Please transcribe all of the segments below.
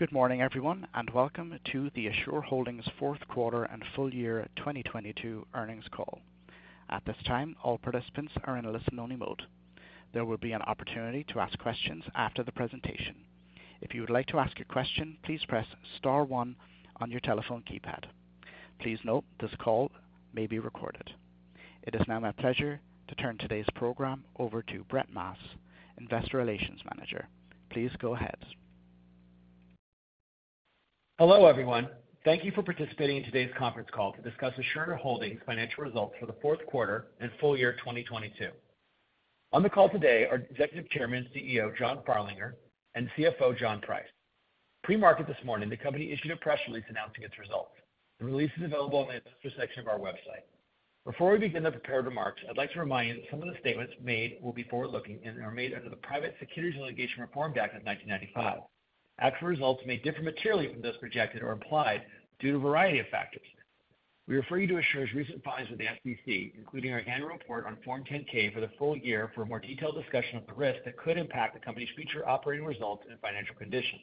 Good morning, everyone, and welcome to the Assure Holdings Fourth Quarter and full year 2022 Earnings Call. At this time, all participants are in a listen-only mode. There will be an opportunity to ask questions after the presentation. If you would like to ask a question, please press star one on your telephone keypad. Please note this call may be recorded. It is now my pleasure to turn today's program over to Brett Maas, Investor Relations Manager. Please go ahead. Hello, everyone. Thank you for participating in today's conference call to discuss Assure Holdings financial results for the fourth quarter and full year 2022. On the call today are Executive Chairman and CEO, John Farlinger, and CFO, John Price. Pre-market this morning, the company issued a press release announcing its results. The release is available on the investor section of our website. Before we begin the prepared remarks, I'd like to remind you that some of the statements made will be forward-looking and are made under the Private Securities Litigation Reform Act of 1995. Actual results may differ materially from those projected or implied due to a variety of factors. We refer you to Assure's recent filings with the SEC, including our annual report on Form 10-K for the full year for a more detailed discussion of the risks that could impact the company's future operating results and financial condition.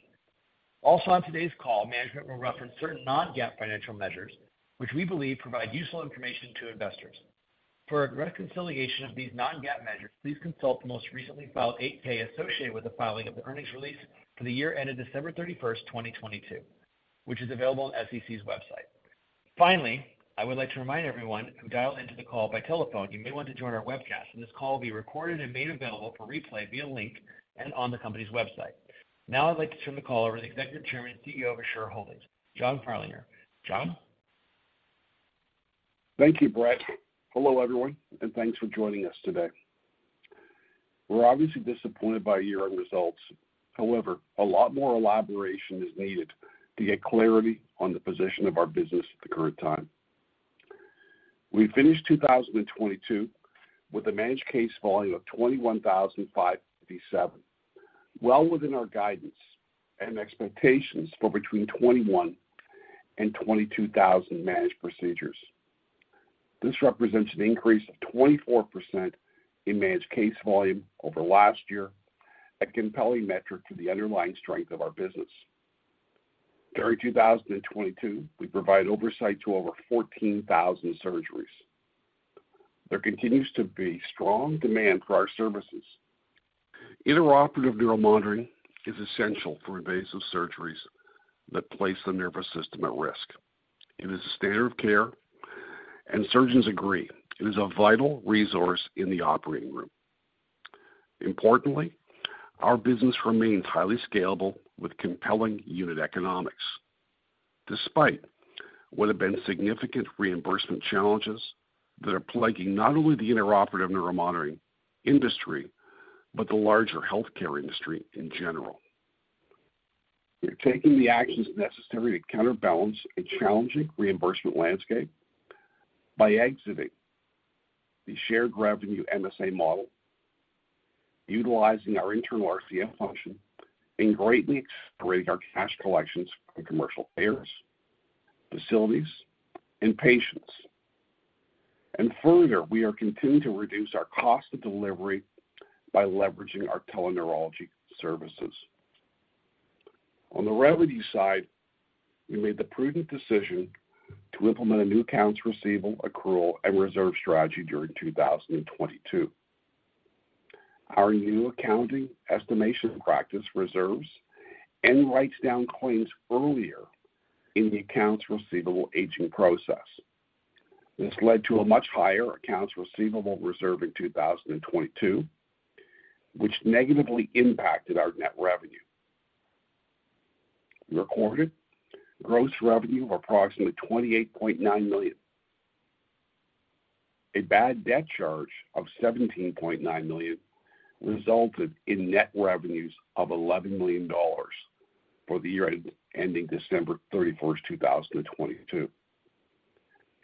Also on today's call, management will reference certain non-GAAP financial measures which we believe provide useful information to investors. For a reconciliation of these non-GAAP measures, please consult the most recently filed 8-K associated with the filing of the earnings release for the year ended December 31st, 2022, which is available on SEC's website. Finally, I would like to remind everyone who dialed into the call by telephone you may want to join our webcast and this call will be recorded and made available for replay via link and on the company's website. Now I'd like to turn the call over to the Executive Chairman and CEO of Assure Holdings, John Farlinger. John. Thank you, Brett. Hello, everyone, and thanks for joining us today. We're obviously disappointed by year-end results. However, a lot more elaboration is needed to get clarity on the position of our business at the current time. We finished 2022 with a managed case volume of 21,557, well within our guidance and expectations for between 21,000 and 22,000 managed procedures. This represents an increase of 24% in managed case volume over last year, a compelling metric to the underlying strength of our business. During 2022, we provided oversight to over 14,000 surgeries. There continues to be strong demand for our services. Intraoperative neuromonitoring is essential for invasive surgeries that place the nervous system at risk. It is a standard of care and surgeons agree it is a vital resource in the operating room. Importantly, our business remains highly scalable with compelling unit economics despite what have been significant reimbursement challenges that are plaguing not only the intraoperative neuromonitoring industry but the larger healthcare industry in general. We're taking the actions necessary to counterbalance a challenging reimbursement landscape by exiting the shared revenue MSA model, utilizing our internal RCM function and greatly accelerating our cash collections from commercial payers, facilities and patients. Further, we are continuing to reduce our cost of delivery by leveraging our teleneurology services. On the revenue side, we made the prudent decision to implement a new accounts receivable accrual and reserve strategy during 2022. Our new accounting estimation practice reserves and writes down claims earlier in the accounts receivable aging process. This led to a much higher accounts receivable reserve in 2022 which negatively impacted our net revenue. We recorded gross revenue of approximately $28.9 million. A bad debt charge of $17.9 million resulted in net revenues of $11 million for the year ending December 31st, 2022.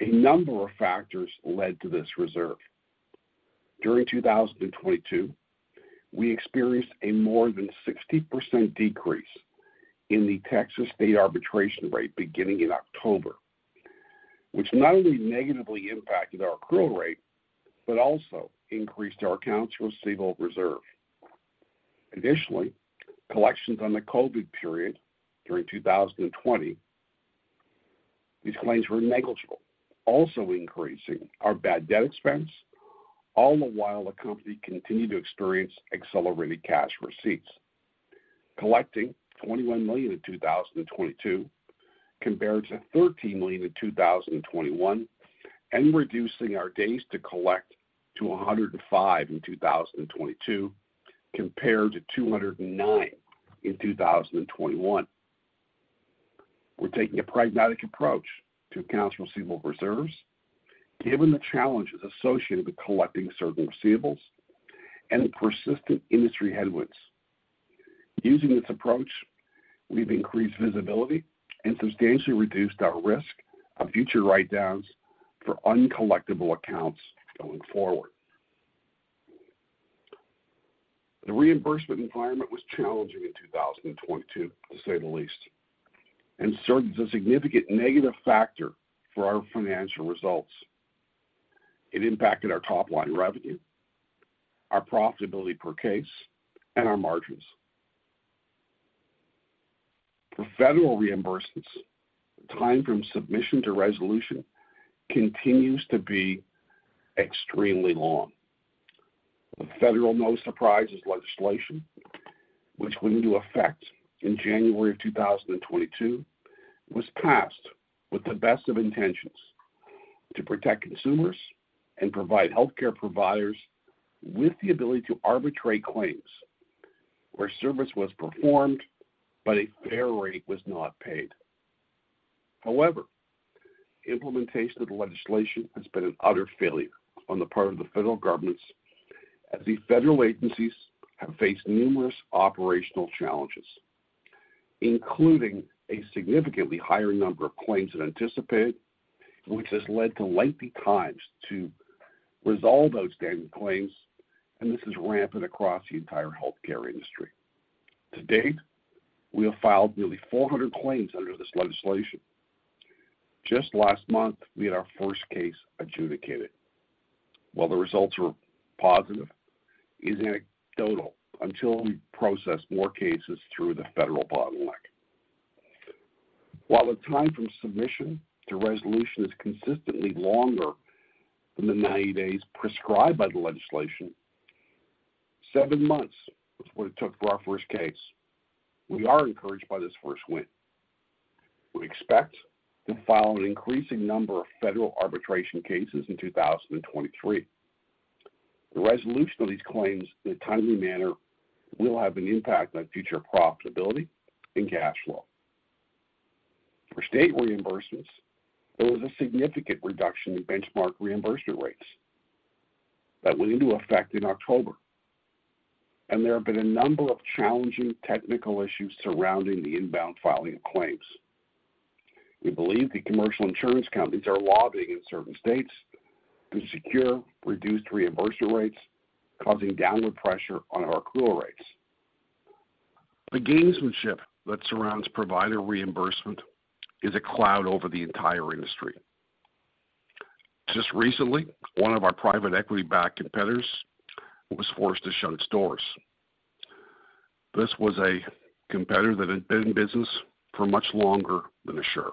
A number of factors led to this reserve. During 2022, we experienced a more than 60% decrease in the Texas state arbitration rate beginning in October, which not only negatively impacted our accrual rate but also increased our accounts receivable reserve. Additionally, collections on the COVID period during 2020, these claims were negligible, also increasing our bad debt expense all the while the company continued to experience accelerated cash receipts, collecting $21 million in 2022 compared to $13 million in 2021 and reducing our days to collect to 105 in 2022 compared to 209 in 2021. We're taking a pragmatic approach to accounts receivable reserves given the challenges associated with collecting certain receivables and the persistent industry headwinds. Using this approach, we've increased visibility and substantially reduced our risk of future write-downs for uncollectible accounts going forward. The reimbursement environment was challenging in 2022, to say the least, and served as a significant negative factor for our financial results. It impacted our top line revenue, our profitability per case, and our margins. For federal reimbursements, time from submission to resolution continues to be extremely long. The federal No Surprises Act, which went into effect in January of 2022, was passed with the best of intentions to protect consumers and provide healthcare providers with the ability to arbitrate claims where service was performed but a fair rate was not paid. However, implementation of the legislation has been an utter failure on the part of the federal governments as these federal agencies have faced numerous operational challenges, including a significantly higher number of claims than anticipated, which has led to lengthy times to resolve outstanding claims, and this is rampant across the entire healthcare industry. To date, we have filed nearly 400 claims under this legislation. Just last month, we had our first case adjudicated. While the results were positive, it's anecdotal until we process more cases through the federal bottleneck. While the time from submission to resolution is consistently longer than the 90 days prescribed by the legislation, seven months was what it took for our first case. We are encouraged by this first win. We expect to file an increasing number of federal arbitration cases in 2023. The resolution of these claims in a timely manner will have an impact on future profitability and cash flow. For state reimbursements, there was a significant reduction in benchmark reimbursement rates that went into effect in October, and there have been a number of challenging technical issues surrounding the inbound filing of claims. We believe the commercial insurance companies are lobbying in certain states to secure reduced reimbursement rates, causing downward pressure on our accrual rates. The gamesmanship that surrounds provider reimbursement is a cloud over the entire industry. Just recently, one of our private equity-backed competitors was forced to shut its doors. This was a competitor that had been in business for much longer than Assure.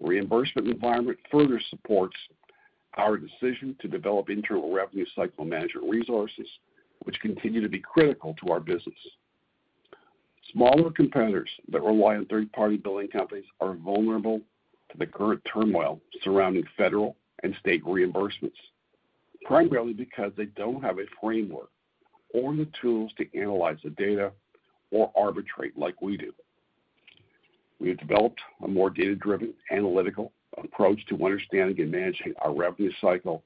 Reimbursement environment further supports our decision to develop internal revenue cycle management resources, which continue to be critical to our business. Smaller competitors that rely on third-party billing companies are vulnerable to the current turmoil surrounding federal and state reimbursements, primarily because they don't have a framework or the tools to analyze the data or arbitrate like we do. We have developed a more data-driven analytical approach to understanding and managing our revenue cycle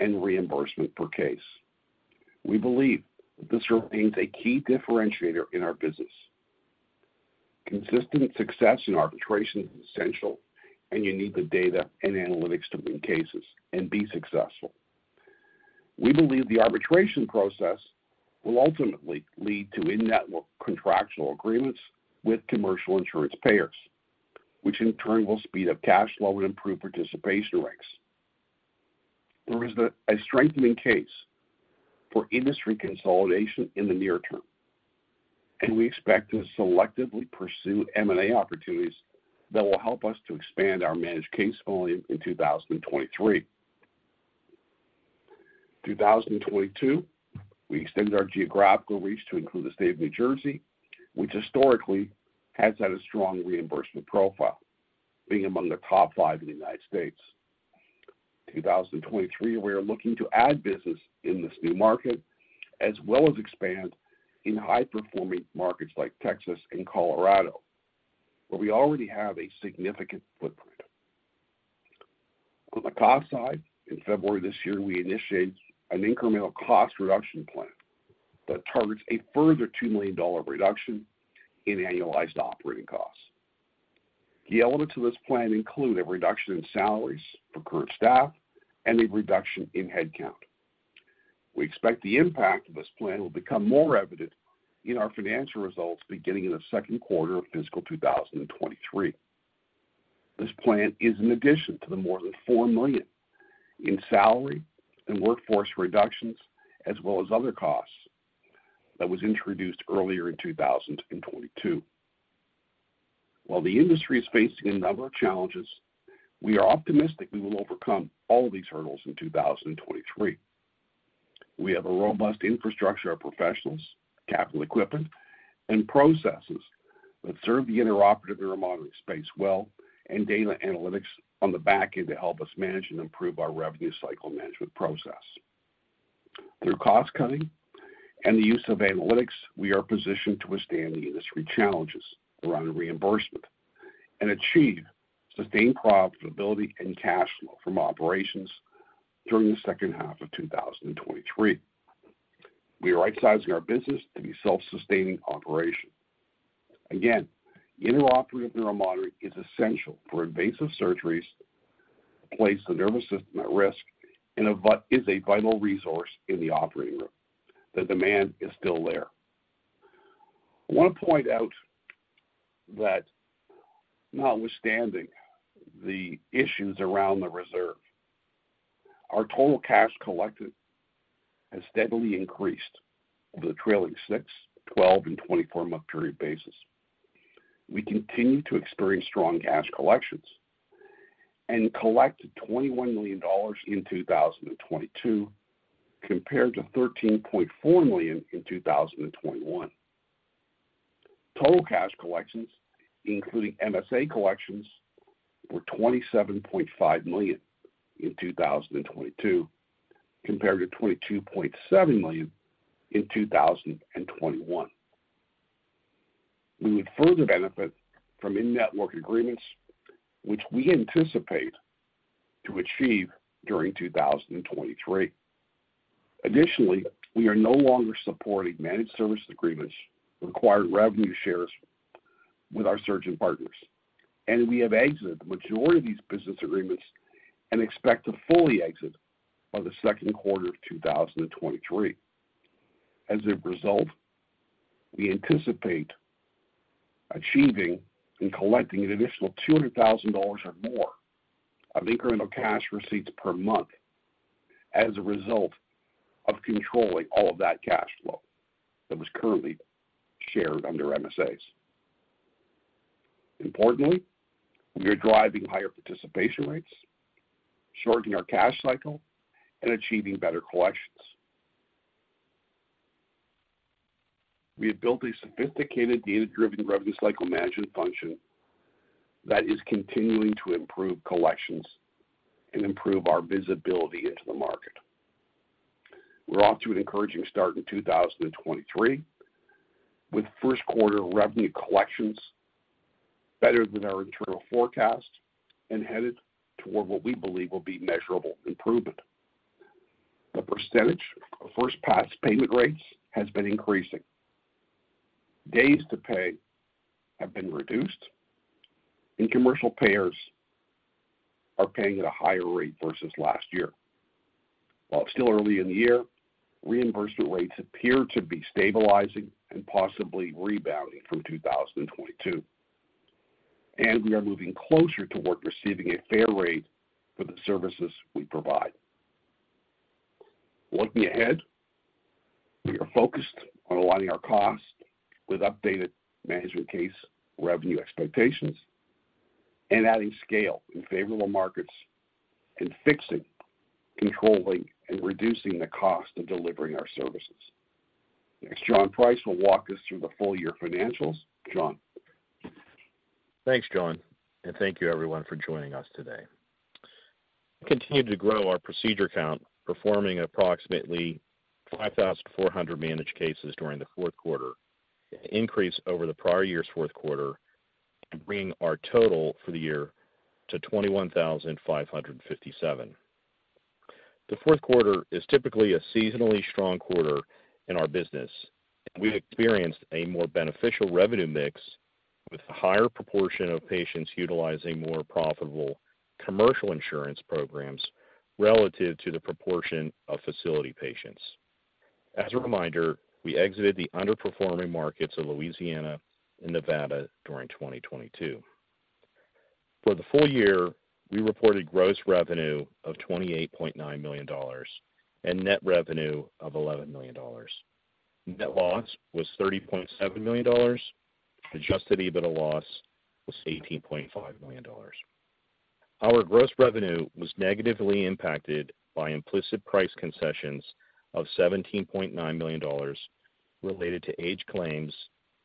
and reimbursement per case. We believe that this remains a key differentiator in our business. Consistent success in arbitration is essential, and you need the data and analytics to win cases and be successful. We believe the arbitration process will ultimately lead to in-network contractual agreements with commercial insurance payers, which in turn will speed up cash flow and improve participation rates. There is the... A strengthening case for industry consolidation in the near term. We expect to selectively pursue M&A opportunities that will help us to expand our managed case volume in 2023. 2022, we extended our geographical reach to include the state of New Jersey, which historically has had a strong reimbursement profile, being among the top five in the United States. 2023, we are looking to add business in this new market, as well as expand in high-performing markets like Texas and Colorado, where we already have a significant footprint. On the cost side, in February this year, we initiated an incremental cost reduction plan that targets a further $2 million reduction in annualized operating costs. Key elements of this plan include a reduction in salaries for current staff and a reduction in headcount. We expect the impact of this plan will become more evident in our financial results beginning in the second quarter of fiscal 2023. This plan is in addition to the more than $4 million in salary and workforce reductions, as well as other costs, that was introduced earlier in 2022. While the industry is facing a number of challenges, we are optimistic we will overcome all these hurdles in 2023. We have a robust infrastructure of professionals, capital equipment, and processes that serve the intraoperative neuromonitoring space well, and data analytics on the back end to help us manage and improve our revenue cycle management process. Through cost cutting and the use of analytics, we are positioned to withstand the industry challenges around reimbursement and achieve sustained profitability and cash flow from operations during the second half of 2023. We are rightsizing our business to be a self-sustaining operation. Again, intraoperative neuromonitoring is essential for invasive surgeries that place the nervous system at risk and is a vital resource in the operating room. The demand is still there. I wanna point out that notwithstanding the issues around the reserve, our total cash collected has steadily increased over the trailing six, 12 and 24 month period basis. We continue to experience strong cash collections and collected $21 million in 2022 compared to $13.4 million in 2021. Total cash collections, including MSA collections, were $27.5 million in 2022 compared to $22.7 million in 2021. We would further benefit from in-network agreements, which we anticipate to achieve during 2023. Additionally, we are no longer supporting managed service agreements that require revenue shares with our surgeon partners, and we have exited the majority of these business agreements and expect to fully exit by the second quarter of 2023. As a result, we anticipate achieving and collecting an additional $200,000 or more of incremental cash receipts per month as a result of controlling all of that cash flow that was currently shared under MSAs. Importantly, we are driving higher participation rates, shortening our cash cycle and achieving better collections. We have built a sophisticated data-driven revenue cycle management function that is continuing to improve collections and improve our visibility into the market. We're off to an encouraging start in 2023, with first quarter revenue collections better than our internal forecast and headed toward what we believe will be measurable improvement. The percentage of first pass payment rates has been increasing. Days to pay have been reduced, and commercial payers are paying at a higher rate versus last year. While it's still early in the year, reimbursement rates appear to be stabilizing and possibly rebounding from 2022, and we are moving closer toward receiving a fair rate for the services we provide. Looking ahead, we are focused on aligning our costs with updated management case revenue expectations and adding scale in favorable markets and fixing, controlling and reducing the cost of delivering our services. Next, John Price will walk us through the full year financials. John? Thanks, John, and thank you everyone for joining us today. We continued to grow our procedure count, performing approximately 5,400 managed cases during the fourth quarter, an increase over the prior year's fourth quarter and bringing our total for the year to 21,557. The fourth quarter is typically a seasonally strong quarter in our business, and we experienced a more beneficial revenue mix with a higher proportion of patients utilizing more profitable commercial insurance programs relative to the proportion of facility patients. As a reminder, we exited the underperforming markets of Louisiana and Nevada during 2022. For the full year, we reported gross revenue of $28.9 million and net revenue of $11 million. Net loss was $30.7 million. Adjusted EBITDA loss was $18.5 million. Our gross revenue was negatively impacted by implicit price concessions of $17.9 million related to aged claims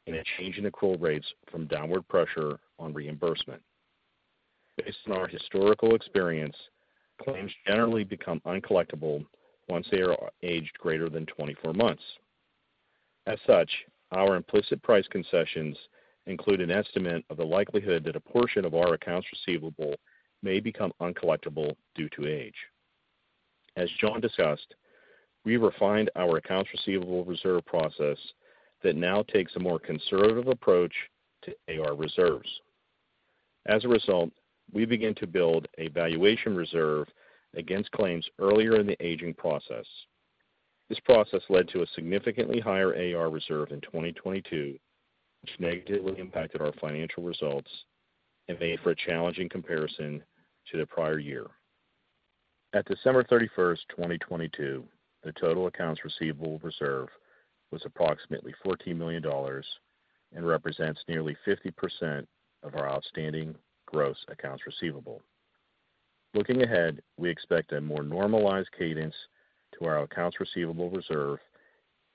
and a change in accrual rates from downward pressure on reimbursement. Based on our historical experience, claims generally become uncollectible once they are aged greater than 24 months. As such, our implicit price concessions include an estimate of the likelihood that a portion of our accounts receivable may become uncollectible due to age. As John discussed, we refined our accounts receivable reserve process that now takes a more conservative approach to AR reserves. As a result, we begin to build a valuation reserve against claims earlier in the aging process. This process led to a significantly higher AR reserve in 2022, which negatively impacted our financial results and made for a challenging comparison to the prior year. At December 31st, 2022, the total accounts receivable reserve was approximately $14 million and represents nearly 50% of our outstanding gross accounts receivable. Looking ahead, we expect a more normalized cadence to our accounts receivable reserve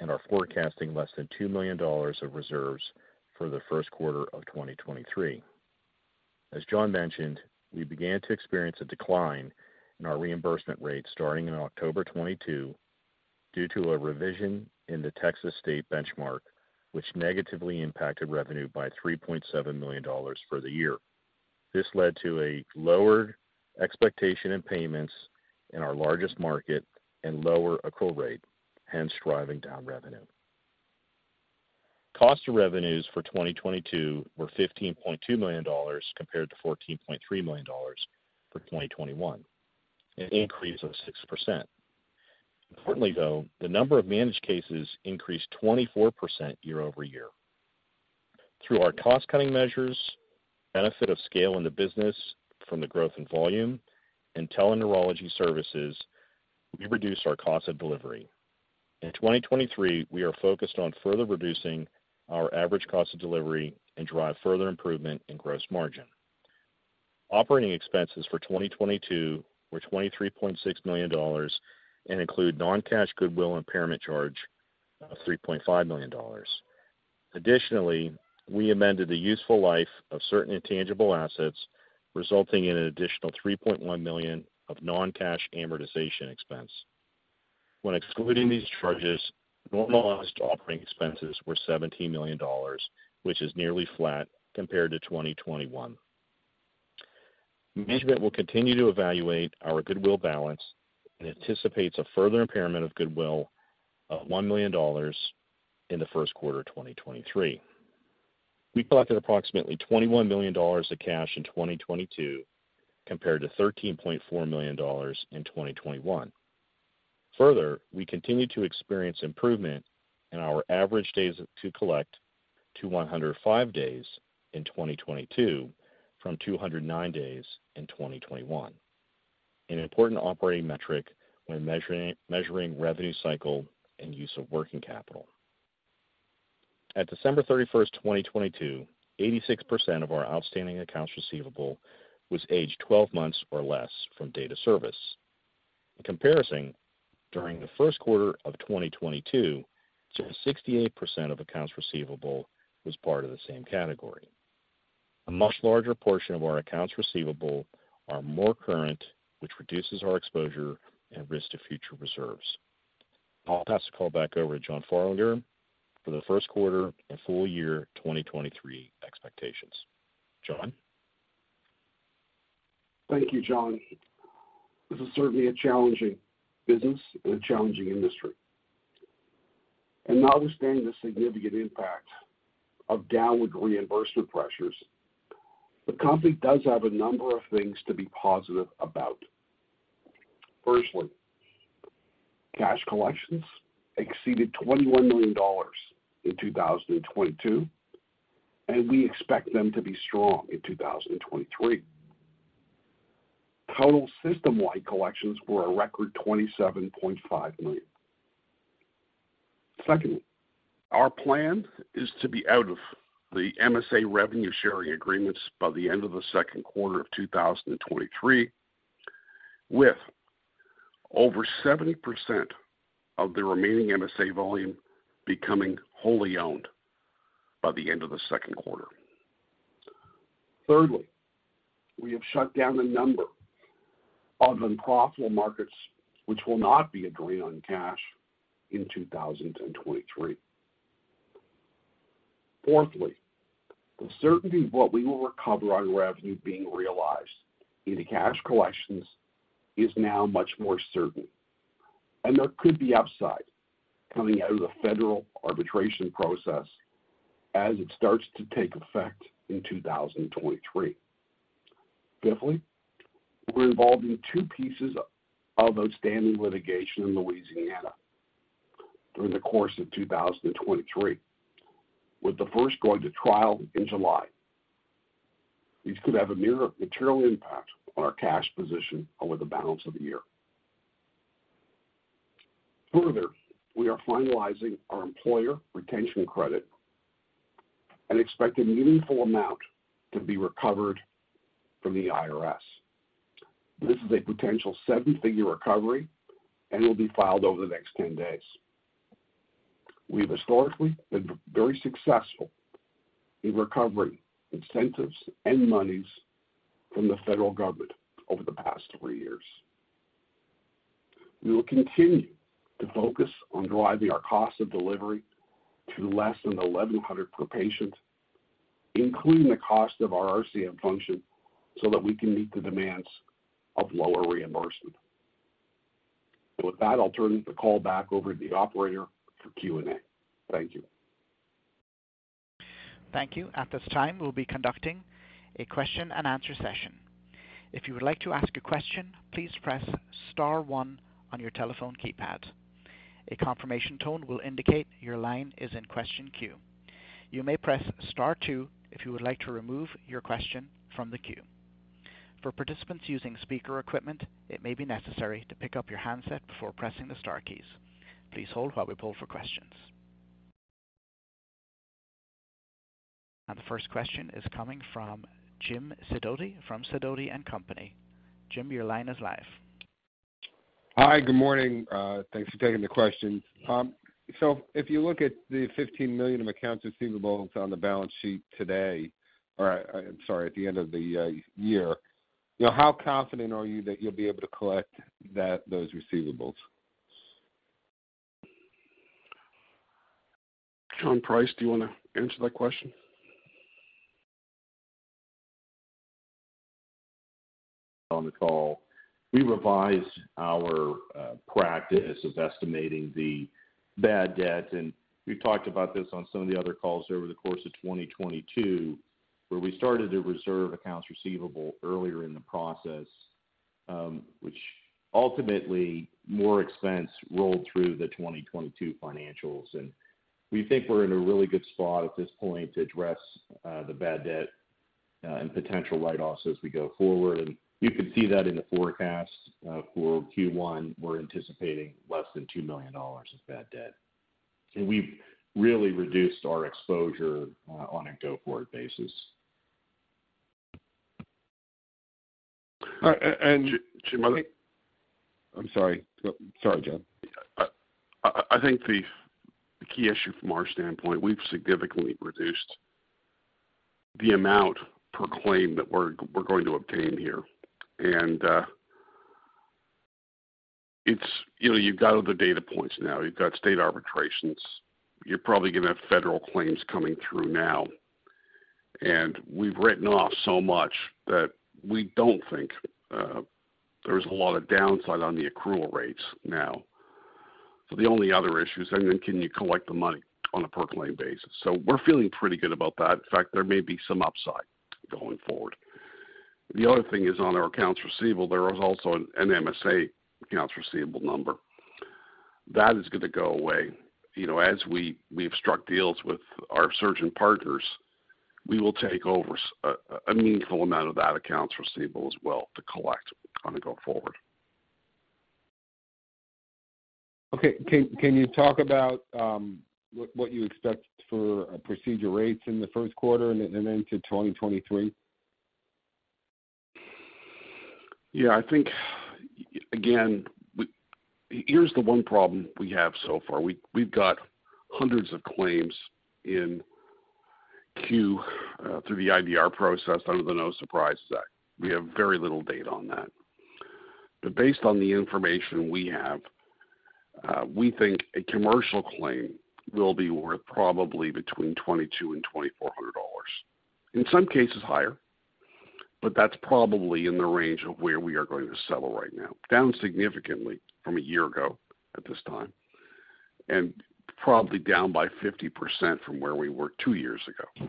and are forecasting less than $2 million of reserves for the first quarter of 2023. As John mentioned, we began to experience a decline in our reimbursement rate starting in October 2022 due to a revision in the Texas state benchmark, which negatively impacted revenue by $3.7 million for the year. This led to a lower expectation in payments in our largest market and lower accrual rate, hence driving down revenue. Cost of revenues for 2022 were $15.2 million compared to $14.3 million for 2021, an increase of 6%. Importantly though, the number of managed cases increased 24% year-over-year. Through our cost-cutting measures, benefit of scale in the business from the growth in volume and teleneurology services, we reduced our cost of delivery. In 2023, we are focused on further reducing our average cost of delivery and drive further improvement in gross margin. Operating expenses for 2022 were $23.6 million and include non-cash goodwill impairment charge of $3.5 million. Additionally, we amended the useful life of certain intangible assets, resulting in an additional $3.1 million of non-cash amortization expense. When excluding these charges, normalized operating expenses were $17 million, which is nearly flat compared to 2021. Management will continue to evaluate our goodwill balance and anticipates a further impairment of goodwill of $1 million in the first quarter of 2023. We collected approximately $21 million of cash in 2022 compared to $13.4 million in 2021. We continue to experience improvement in our average days to collect to 105 days in 2022 from 209 days in 2021, an important operating metric when measuring revenue cycle and use of working capital. At December 31st, 2022, 86% of our outstanding accounts receivable was aged 12 months or less from date of service. In comparison, during the first quarter of 2022, just 68% of accounts receivable was part of the same category. A much larger portion of our accounts receivable are more current, which reduces our exposure and risk to future reserves. I'll pass the call back over to John Farlinger for the first quarter and full year 2023 expectations. John? Thank you, John. This is certainly a challenging business and a challenging industry. Notwithstanding the significant impact of downward reimbursement pressures, the company does have a number of things to be positive about. Firstly, cash collections exceeded $21 million in 2022, and we expect them to be strong in 2023. Total system-wide collections were a record $27.5 million. Secondly, our plan is to be out of the MSA revenue sharing agreements by the end of the second quarter of 2023, with over 70% of the remaining MSA volume becoming wholly owned by the end of the second quarter. Thirdly, we have shut down a number of unprofitable markets which will not be a drain on cash in 2023. Fourthly, the certainty of what we will recover on revenue being realized in the cash collections is now much more certain, and there could be upside coming out of the federal arbitration process as it starts to take effect in 2023. Fifthly, we're involved in two pieces of outstanding litigation in Louisiana during the course of 2023, with the first going to trial in July. These could have a material impact on our cash position over the balance of the year. We are finalizing our Employee Retention Credit and expect a meaningful amount to be recovered from the IRS. This is a potential seven-figure recovery and will be filed over the next 10 days. We have historically been very successful in recovering incentives and monies from the federal government over the past three years. We will continue to focus on driving our cost of delivery to less than $1,100 per patient, including the cost of our RCM function, so that we can meet the demands of lower reimbursement. With that, I'll turn the call back over to the operator for Q&A. Thank you. Thank you. At this time, we'll be conducting a question and answer session. If you would like to ask a question, please press star one on your telephone keypad. A confirmation tone will indicate your line is in question queue. You may press star two if you would like to remove your question from the queue. For participants using speaker equipment, it may be necessary to pick up your handset before pressing the star keys. Please hold while we poll for questions. The first question is coming from Jim Sidoti from Sidoti and Company. Jim, your line is live. Hi, good morning. Thanks for taking the question. If you look at the $15 million of accounts receivables on the balance sheet today or, sorry, at the end of the year, you know, how confident are you that you'll be able to collect those receivables? John Price, do you wanna answer that question? On the call, we revised our practice of estimating the bad debt, and we've talked about this on some of the other calls over the course of 2022. Where we started to reserve accounts receivable earlier in the process, which ultimately more expense rolled through the 2022 financials. We think we're in a really good spot at this point to address the bad debt and potential write-offs as we go forward. You can see that in the forecast for Q1, we're anticipating less than $2 million of bad debt. We've really reduced our exposure on a go-forward basis. All right. Jim, I'm sorry. Sorry, John. I think the key issue from our standpoint, we've significantly reduced the amount per claim that we're going to obtain here. it's, you know, you've got other data points now. You've got state arbitrations. You're probably gonna have federal claims coming through now. We've written off so much that we don't think there's a lot of downside on the accrual rates now. The only other issue is then can you collect the money on a per claim basis. We're feeling pretty good about that. In fact, there may be some upside going forward. The other thing is on our accounts receivable, there is also an MSA accounts receivable number. That is gonna go away. You know, as we've struck deals with our surgeon partners, we will take over a meaningful amount of that accounts receivable as well to collect on a go forward. Okay. Can you talk about what you expect for procedure rates in the first quarter and then to 2023? Yeah, I think, again, here's the one problem we have so far. We've got hundreds of claims in Q through the IDR process under the No Surprises Act. We have very little data on that. Based on the information we have, we think a commercial claim will be worth probably between $2,200 and $2,400, in some cases higher, but that's probably in the range of where we are going to settle right now, down significantly from a year ago at this time, and probably down by 50% from where we were two years ago.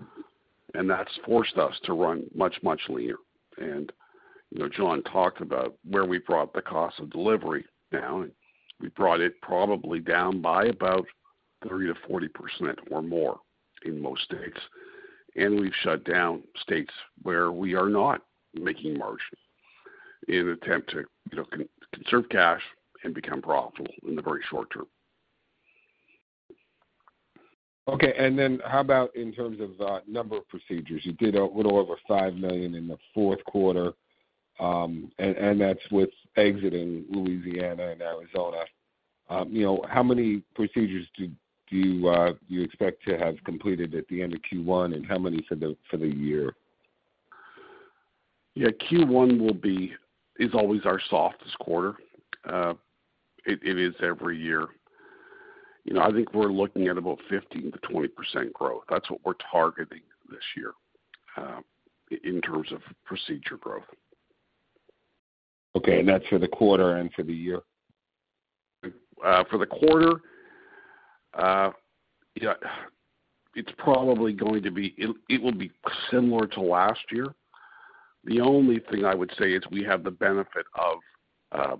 That's forced us to run much, much leaner. You know, John talked about where we brought the cost of delivery down. We brought it probably down by about 30%-40% or more in most states. We've shut down states where we are not making margin in attempt to, you know, conserve cash and become profitable in the very short term. Okay. How about in terms of number of procedures? You did a little over $5 million in the fourth quarter, and that's with exiting Louisiana and Arizona. You know, how many procedures do you expect to have completed at the end of Q1, and how many for the year? Yeah, Q1 is always our softest quarter. It is every year. You know, I think we're looking at about 15%-20% growth. That's what we're targeting this year, in terms of procedure growth. Okay. That's for the quarter and for the year? For the quarter, yeah, it will be similar to last year. The only thing I would say is we have the benefit of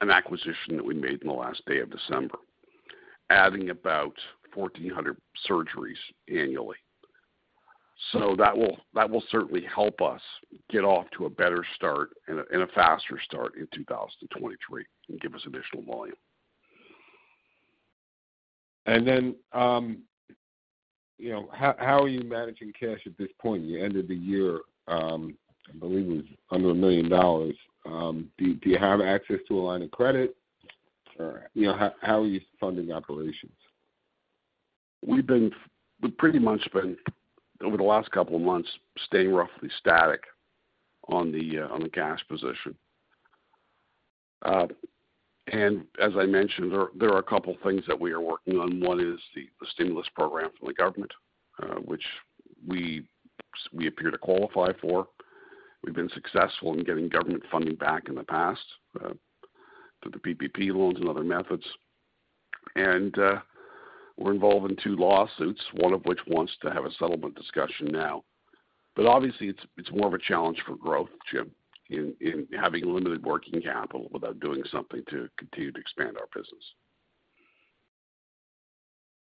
an acquisition that we made in the last day of December, adding about 1,400 surgeries annually. That will certainly help us get off to a better start and a faster start in 2023 and give us additional volume. You know, how are you managing cash at this point? You ended the year, I believe it was under $1 million. Do you have access to a line of credit? You know, how are you funding operations? We've pretty much been, over the last couple of months, staying roughly static on the cash position. As I mentioned, there are a couple things that we are working on. One is the stimulus program from the government, which we appear to qualify for. We've been successful in getting government funding back in the past, through the PPP loans and other methods. We're involved in two lawsuits, one of which wants to have a settlement discussion now. Obviously it's more of a challenge for growth, Jim, in having limited working capital without doing something to continue to expand our business.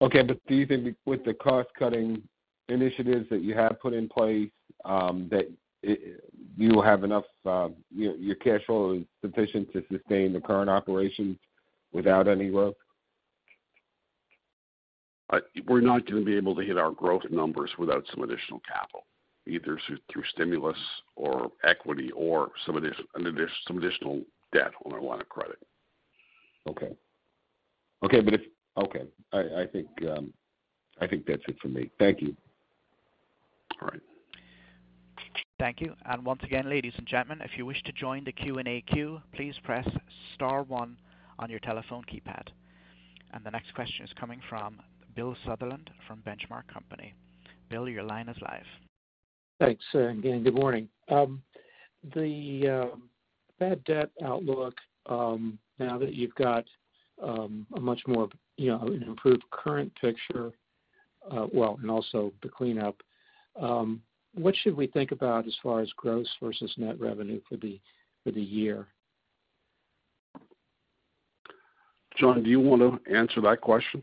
Okay. Do you think with the cost-cutting initiatives that you have put in place, that you will have enough, you know, your cash flow is sufficient to sustain the current operations without any growth? we're not gonna be able to hit our growth numbers without some additional capital, either through stimulus or equity or some additional debt on our line of credit. Okay. Okay. I think that's it for me. Thank you. All right. Thank you. Once again, ladies and gentlemen, if you wish to join the Q&A queue, please press star one on your telephone keypad. The next question is coming from Bill Sutherland from Benchmark Company. Bill, your line is live. Thanks. Good morning. Bad debt outlook, now that you've got, a much more, you know, an improved current picture, well, and also the cleanup, what should we think about as far as gross versus net revenue for the year? John, do you wanna answer that question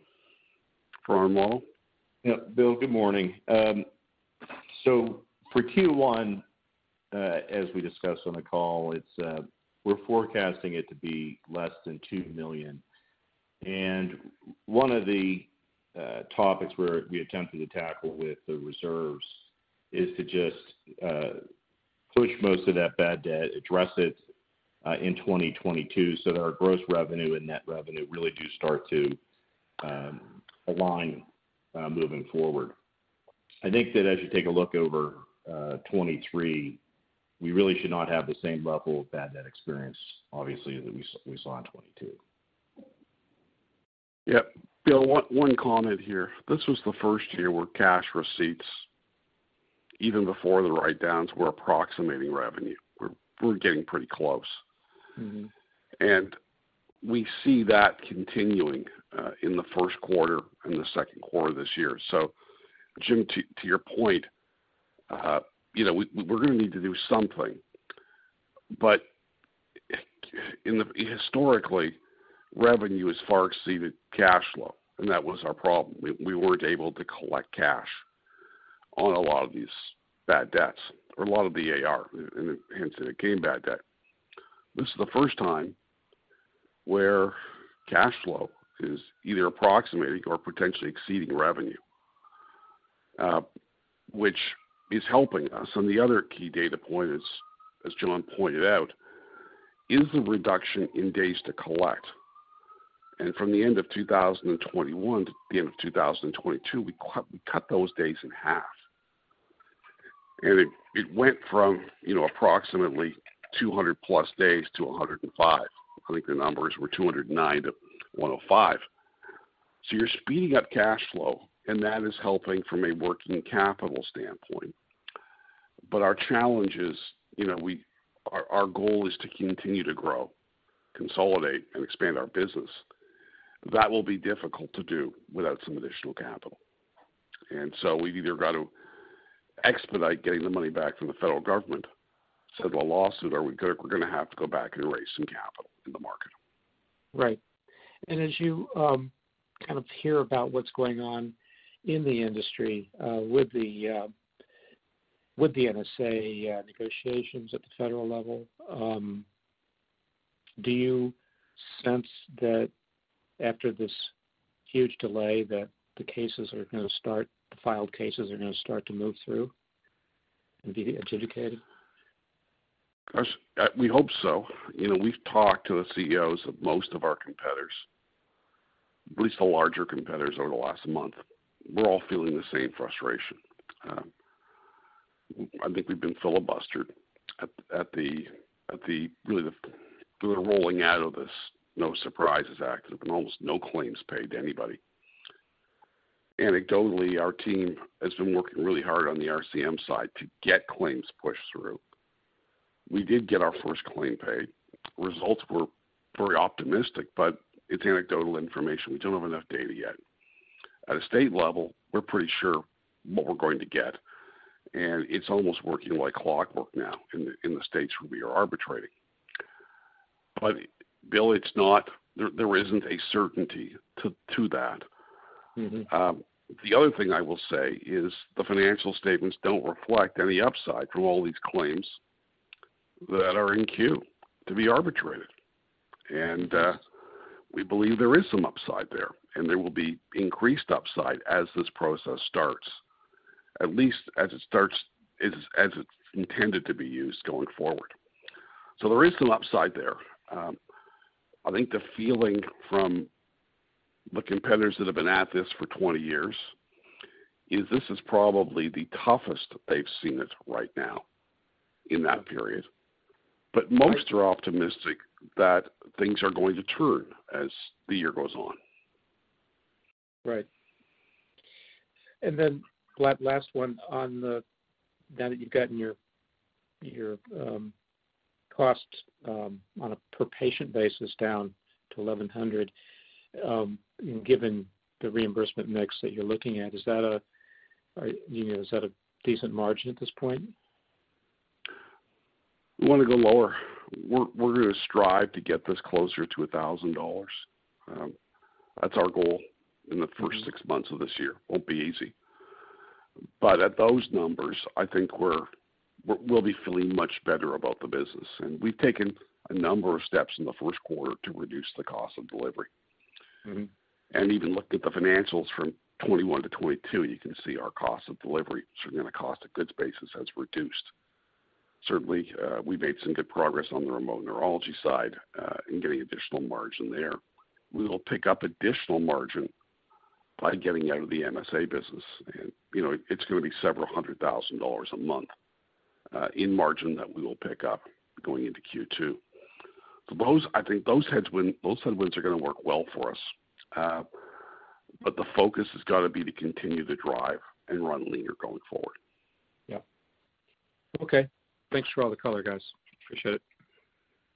for our model? Yeah. Bill, good morning. So for Q1, as we discussed on the call, it's, we're forecasting it to be less than $2 million. One of the topics we attempted to tackle with the reserves is to just push most of that bad debt, address it in 2022, so that our gross revenue and net revenue really do start to align moving forward. I think that as you take a look over 2023, we really should not have the same level of bad debt experience, obviously, that we saw in 2022. Yep. Bill, one comment here. This was the first year where cash receipts, even before the write-downs, were approximating revenue. We're getting pretty close. Mm-hmm. We see that continuing in the first quarter and the second quarter this year. Jim, to your point, you know, we're gonna need to do something. In the historically, revenue has far exceeded cash flow, and that was our problem. We weren't able to collect cash on a lot of these bad debts or a lot of the AR, and hence, it became bad debt. This is the first time where cash flow is either approximating or potentially exceeding revenue, which is helping us. The other key data point is, as John pointed out, is the reduction in days to collect. From the end of 2021 to the end of 2022, we cut those days in half. It, it went from, you know, approximately 200+ days to 105. I think the numbers were 209 to 105. You're speeding up cash flow, and that is helping from a working capital standpoint. Our challenge is, you know, our goal is to continue to grow, consolidate, and expand our business. That will be difficult to do without some additional capital. So we've either got to expedite getting the money back from the federal government, settle a lawsuit or we're gonna have to go back and raise some capital in the market. Right. as you, kind of hear about what's going on in the industry, with the, with the MSA, negotiations at the federal level, do you sense that after this huge delay that the filed cases are gonna start to move through and be adjudicated? Of course, we hope so. You know, we've talked to the CEOs of most of our competitors, at least the larger competitors over the last month. We're all feeling the same frustration. I think we've been filibustered at the really the rolling out of this No Surprises Act. There's been almost no claims paid to anybody. Anecdotally, our team has been working really hard on the RCM side to get claims pushed through. We did get our first claim paid. Results were pretty optimistic, but it's anecdotal information. We don't have enough data yet. At a state level, we're pretty sure what we're going to get, and it's almost working like clockwork now in the states where we are arbitrating. Bill, it's not. There isn't a certainty to that. Mm-hmm. The other thing I will say is the financial statements don't reflect any upside from all these claims that are in queue to be arbitrated. We believe there is some upside there, and there will be increased upside as this process starts, at least as it starts, as it's intended to be used going forward. There is some upside there. I think the feeling from the competitors that have been at this for 20 years is this is probably the toughest they've seen it right now in that period. Most are optimistic that things are going to turn as the year goes on. Right. Last one now that you've gotten your costs on a per patient basis down to $1,100, given the reimbursement mix that you're looking at, is that a, you know, is that a decent margin at this point? We want to go lower. We're going to strive to get this closer to $1,000. That's our goal in the first six months of this year. Won't be easy. At those numbers, I think we'll be feeling much better about the business. We've taken a number of steps in the first quarter to reduce the cost of delivery. Mm-hmm. Even look at the financials from 2021 to 2022, you can see our cost of delivery, certainly on a cost of goods basis, has reduced. Certainly, we made some good progress on the remote neurology side, in getting additional margin there. We will pick up additional margin by getting out of the MSA business. You know, it's gonna be several $100,000 a month, in margin that we will pick up going into Q2. I think those headwinds are gonna work well for us. The focus has got to be to continue to drive and run leaner going forward. Yeah. Okay. Thanks for all the color, guys. Appreciate it.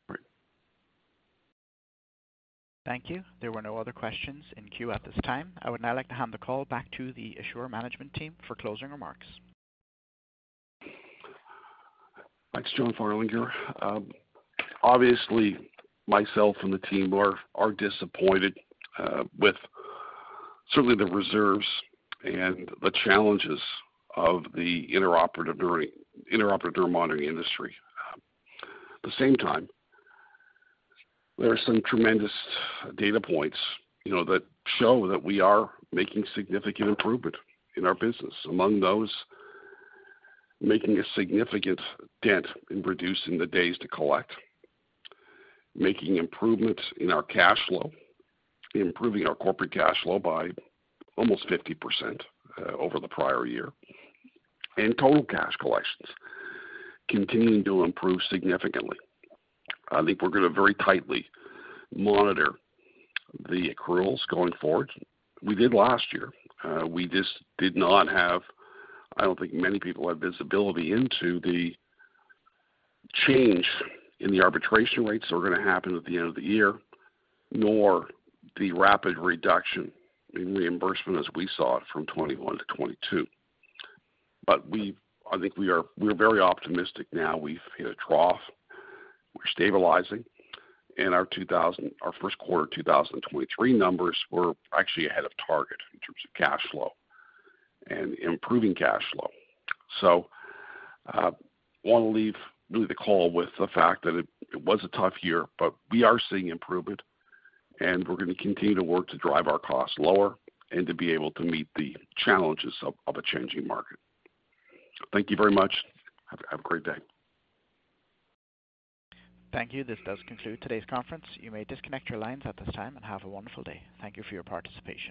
All right. Thank you. There were no other questions in queue at this time. I would now like to hand the call back to the Assure management team for closing remarks. Thanks. John Farlinger. Obviously, myself and the team are disappointed with certainly the reserves and the challenges of the intraoperative neuromonitoring industry. At the same time, there are some tremendous data points, you know, that show that we are making significant improvement in our business. Among those, making a significant dent in reducing the days to collect, making improvements in our cash flow, improving our corporate cash flow by almost 50% over the prior year, and total cash collections continuing to improve significantly. I think we're gonna very tightly monitor the accruals going forward. We did last year. I don't think many people had visibility into the change in the arbitration rates that were gonna happen at the end of the year, nor the rapid reduction in reimbursement as we saw it from 2021 to 2022. I think we're very optimistic now. We've hit a trough. We're stabilizing. Our first quarter 2023 numbers were actually ahead of target in terms of cash flow and improving cash flow. Wanna leave really the call with the fact that it was a tough year, but we are seeing improvement, and we're gonna continue to work to drive our costs lower and to be able to meet the challenges of a changing market. Thank you very much. Have a great day. Thank you. This does conclude today's conference. You may disconnect your lines at this time and have a wonderful day. Thank you for your participation.